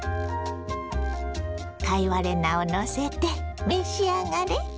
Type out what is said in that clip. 貝割れ菜をのせて召し上がれ。